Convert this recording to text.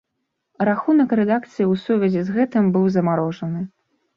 Рахунак рэдакцыі ў сувязі з гэтым быў замарожаны.